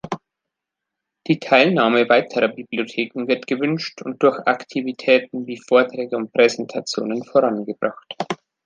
Die Teilnahme weiterer Bibliotheken wird gewünscht und durch Aktivitäten wie Vorträge und Präsentationen vorangebracht.